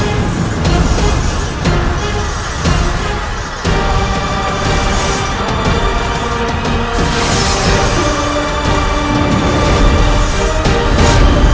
aku ingin menemukan kekuatanmu